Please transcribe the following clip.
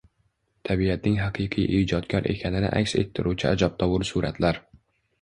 Tabiatning haqiqiy ijodkor ekanini aks ettiruvchi ajabtovur suratlar